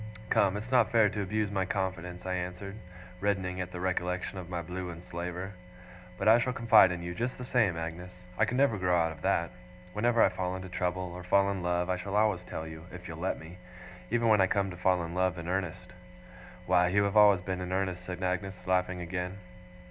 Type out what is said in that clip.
'Come! It's not fair to abuse my confidence,' I answered, reddening at the recollection of my blue enslaver. 'But I shall confide in you, just the same, Agnes. I can never grow out of that. Whenever I fall into trouble, or fall in love, I shall always tell you, if you'll let me even when I come to fall in love in earnest.' 'Why, you have always been in earnest!' said Agnes, laughing again.